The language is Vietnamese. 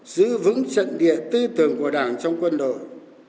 giữ vững trận địa tư tưởng của đảng trong quân đội